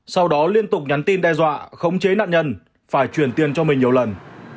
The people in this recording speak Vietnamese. sau đó liên tục nhắn tin đe dọa khống chế nạn nhân phải chuyển tiền cho mình nhiều lần